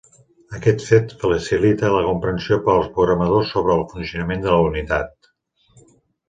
Aquest fet facilita la comprensió per als programadors sobre el funcionament de la unitat.